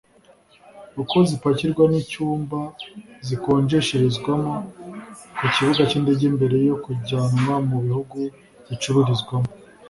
uko zipakirwa n’icyumba zikonjesherezwamo ku Kibuga cy’Indege mbere yo kujyanwa mu bihugu zicururizwamo